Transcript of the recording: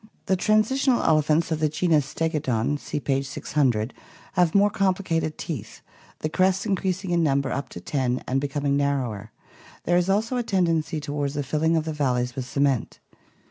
The transitional elephants of the genus Stegodon (see page 600) have more complicated teeth, the crests increasing in number up to ten and becoming narrower; there is also a tendency toward the filling of the valleys with cement.